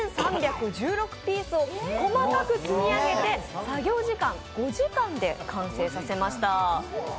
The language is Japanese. ２３１６ピースを細かく積み上げて作業時間５時間で完成させました。